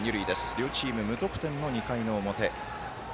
両チーム無得点の２回の表。